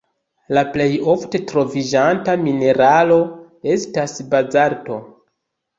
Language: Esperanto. La plej ofte troviĝanta mineralo estas bazalto.